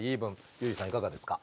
ユージさんいかがですか？